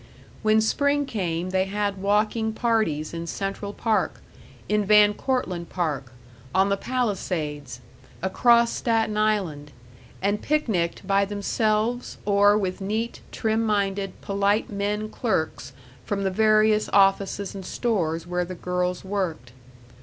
When spring came they had walking parties in Central Park, in Van Cortlandt Park, on the Palisades, across Staten Island, and picnicked by themselves or with neat, trim minded, polite men clerks from the various offices and stores where the girls worked.